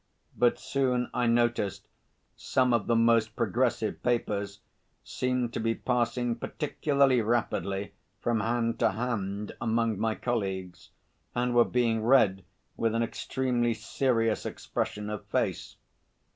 But soon I noticed some of the most progressive papers seemed to be passing particularly rapidly from hand to hand among my colleagues, and were being read with an extremely serious expression of face.